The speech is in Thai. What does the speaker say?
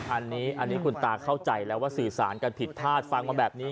อันนี้คุณตาเข้าใจแล้วว่าสื่อสารกันผิดพลาดฟังมาแบบนี้